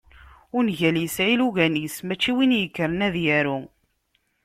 Ungal yesɛa ilugan-is, mačči win yekkren ad yaru.